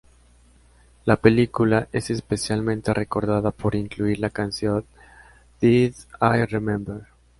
La película es especialmente recordada por incluir la canción "Did I Remember?